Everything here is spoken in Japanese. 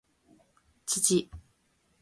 土